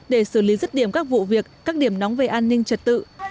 để xử lý rứt điểm các vụ việc các điểm nóng về an ninh trật tự